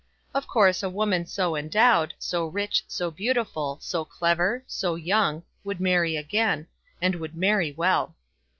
Of course a woman so endowed, so rich, so beautiful, so clever, so young, would marry again, and would marry well.